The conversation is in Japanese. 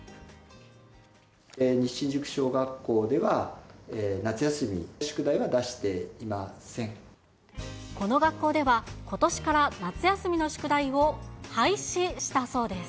西新宿小学校では、夏休み、この学校では、ことしから夏休みの宿題を廃止したそうです。